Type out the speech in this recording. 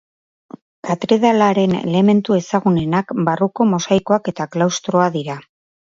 Katedralaren elementu ezagunenak barruko mosaikoak eta klaustroa dira.